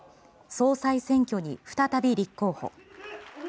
総裁選挙に再び立候補。